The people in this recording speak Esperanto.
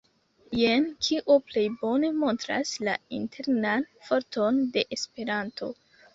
Jen, kio plej bone montras la internan forton de Esperanto.